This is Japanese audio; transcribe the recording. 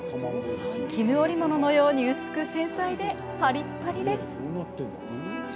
絹織物のように薄く繊細でパリッパリです。